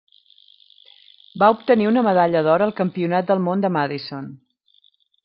Va obtenir una medalla d'or al Campionat del món de Madison.